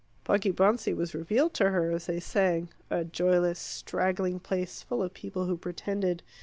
Poggibonsi was revealed to her as they sang a joyless, straggling place, full of people who pretended.